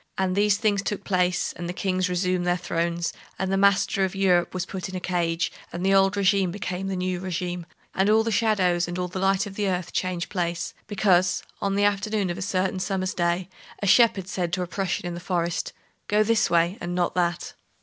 And these things took place, and the kings resumed their thrones, and the master of Europe was put in a cage, and the old regime became the new regime, and all the shadows and all the light of the earth changed place, because, on the afternoon of a certain summer's day, a shepherd said to a Prussian in the forest, "Go this way, and not that!"